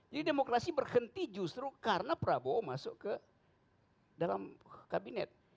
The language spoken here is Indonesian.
jadi demokrasi berhenti justru karena prabowo masuk ke dalam kabinet